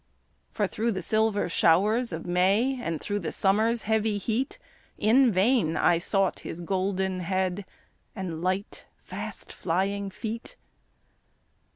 For thro' the silver showers of May And thro' the summer's heavy heat, In vain I sought his golden head And light, fast flying feet.